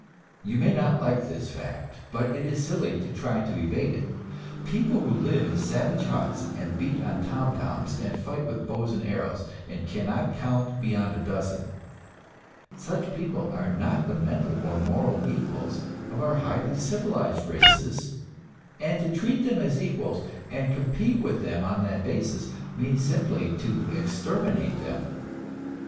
You may not like this fact, but it is silly to try to evade it. People who live in savage huts and beat on tom toms and fight with bows and arrows and cannot count beyond a dozen such people are not the mental or moral equals of our highly civilized races, and to treat them as equals, and compete with them on that basis, means simply to exterminate them.